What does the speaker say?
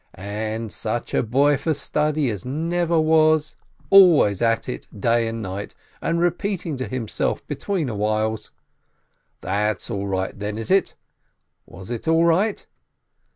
And such a boy for study as never was, always at it, day and night, and repeating to him self between whiles! That's all right then, is it? Was it all right